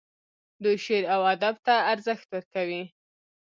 دوی شعر او ادب ته ارزښت ورکوي.